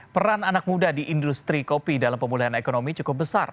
peran anak muda di industri kopi dalam pemulihan ekonomi cukup besar